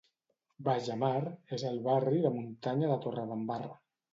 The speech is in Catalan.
Baix a Mar és el barri de muntanya de Torredembarra.